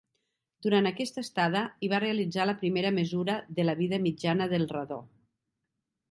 Durant aquesta estada, hi va realitzar la primera mesura de la vida mitjana del radó.